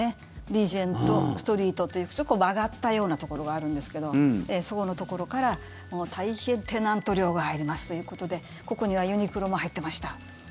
リージェント・ストリートというそこを曲がったようなところがあるんですけどそこのところから大変、テナント料が入りますということでここにはユニクロも入ってました。